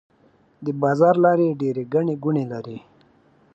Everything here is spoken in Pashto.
د بازار لارې ډيرې ګڼې ګوڼې لري.